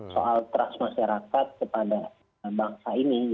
soal trust masyarakat kepada bangsa ini